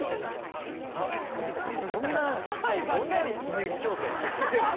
どんなどんなイメージ調査や。